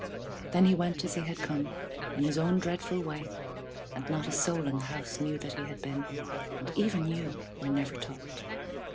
Then he went as he had come, in his own dreadful way, and not a soul in the house knew that he had been. And even you were never told!